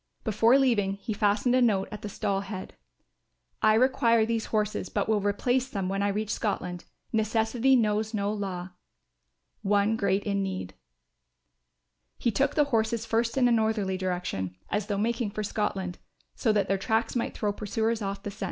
Before leaving he fastened a note at the stall head: "I require these horses but will replace them when I reach Scotland. Necessity knows no law. One in great need." He took the horses first in a northerly direction as though making for Scotland, so that their tracks might throw pursuers off the scent.